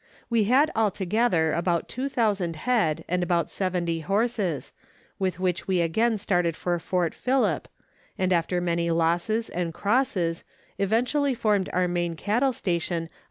We had altogether about 2,000 head and about 70 horses, with which we again started for Port Phillip, and after many losses and crosses, eventually formed our main cattle station on